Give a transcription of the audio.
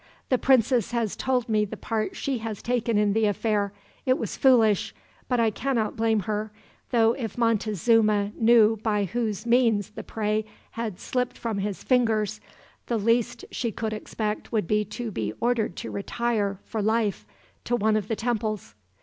'The princess has told me the part she has taken in the affair. It was foolish, but I cannot blame her, though if Montezuma knew by whose means the prey had slipped from his fingers, the least she could expect would be to be ordered to retire, for life, to one of the temples.